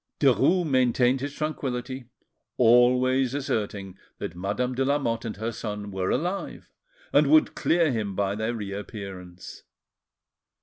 Derues maintained his tranquillity, always asserting that Madame de Lamotte and her son were alive, and would clear him by their reappearance.